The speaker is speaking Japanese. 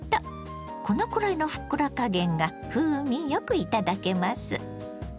このくらいのふっくら加減が風味良くいただけます。